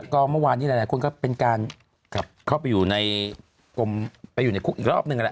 กล้องเมื่อวานนี้แหละคุณครับเป็นการเข้าไปอยู่ในคุกอีกรอบหนึ่ง